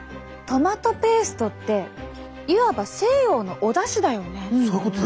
トマトペーストっていわば西洋のおだしだよね！